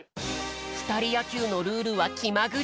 ふたりやきゅうのルールはきまぐれ。